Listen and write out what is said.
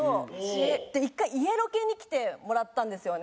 一回家ロケに来てもらったんですよね。